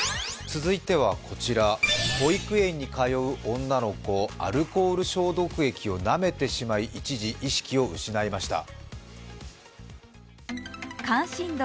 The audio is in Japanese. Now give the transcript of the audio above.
続いてはこちら保育園に通う女の子アルコール消毒液をなめてしまい、一時、意識を失いました。